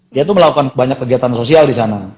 dia tuh melakukan banyak kegiatan sosial disana